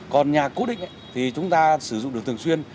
còn nhà cố định thì chúng ta sử dụng được thường xuyên